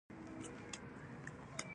دا په رسول الله په زمانه کې و.